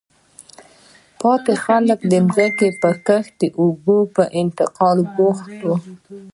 پاتې خلک د ځمکې په کښت او د اوبو په انتقال بوخت وو.